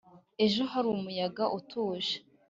ejo hari umuyaga utuje